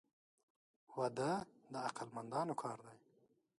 • واده د عقل مندانو کار دی.